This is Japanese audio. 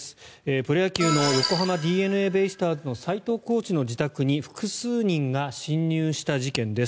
プロ野球の横浜ＤｅＮＡベイスターズの斎藤コーチの自宅に複数人が侵入した事件です。